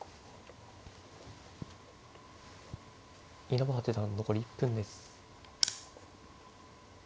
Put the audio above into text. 稲葉八段残り１分です。